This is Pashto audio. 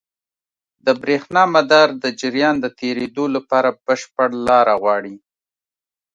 د برېښنا مدار د جریان د تېرېدو لپاره بشپړ لاره غواړي.